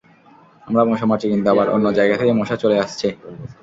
আমরা মশা মারছি, কিন্তু আবার অন্য জায়গা থেকে মশা চলে আসছে।